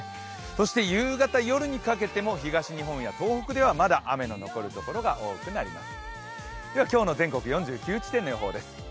そして夕方、夜にかけても東日本や東北ではまだ雨が残るところが多くなります。